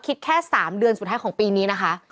คิดแค่๓เดือนสุดท้ายของปีนี้นะคะ